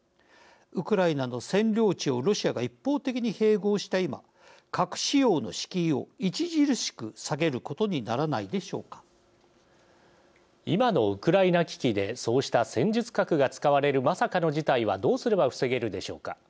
ウクライナの占領地をロシアが一方的に併合した今核使用の敷居を著しく下げることに今のウクライナ危機でそうした戦術核が使われるまさかの事態はどうすれば防げるでしょうか。